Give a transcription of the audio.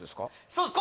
そうです